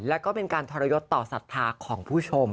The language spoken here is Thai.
และก็เป็นการทรยศต่อศัตริย์ภาคมของผู้ชม